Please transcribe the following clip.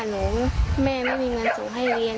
แม่ไม่มีเงินส่งให้เรียน